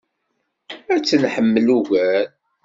Ad tt-nḥemmel ugar.